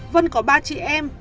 vân có ba chị em